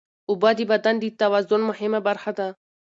اوبه د بدن د توازن مهمه برخه ده.